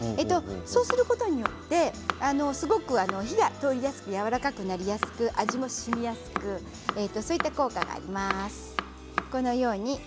そうすることによってすごく火が通りやすくやわらかくなりやすく、味もしみやすい効果があります。